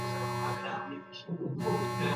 علمي میتود تر فلسفي بحث دقیق دی.